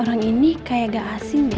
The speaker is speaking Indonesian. orang ini kayak gak asing